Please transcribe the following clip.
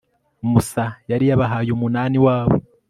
musa yari yabahaye umunani wabo